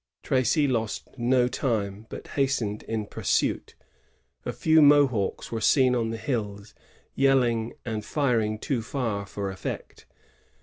Tracy lost no time, but hastened in pursuit. A few Mohawks were seen on the hills, yelling and firing too far for effect.